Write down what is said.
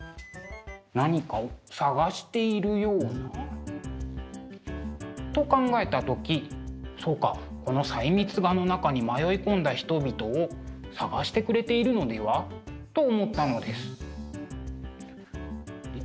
何かを探しているような。と考えた時「そうかこの細密画の中に迷い込んだ人々を捜してくれているのでは？」と思ったのです。